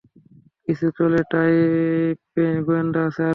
কিছু চলে টাইপ গোয়েন্দা আছে আরকি!